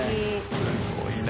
すごいな。